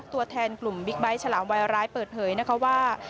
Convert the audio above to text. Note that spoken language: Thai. ตัวแทนกลุ่มบิ๊กไบท์ฉลามวัยร้ายเปิดเผยนะคะว่า